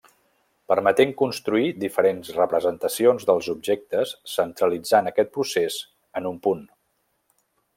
Permetent construir diferents representacions dels objectes centralitzant aquest procés en un punt.